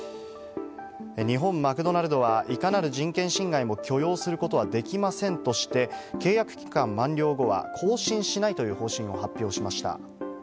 日本マクドナルドはいかなる人権侵害も許容することはできませんとして、契約期間満了後は更新しないという方針を発表しました。